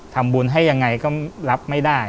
ทำบุญให้ยังไงก็รับไม่ได้